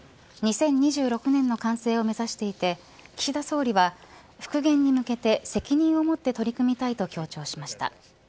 ２０２６年の完成を目指していて岸田総理は復元に向けて責任を持って取り組みたいと強調しました。